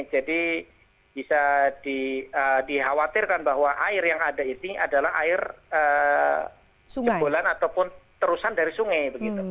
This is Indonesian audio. jadi bisa dikhawatirkan bahwa air yang ada ini adalah air cipulan ataupun terusan dari sungai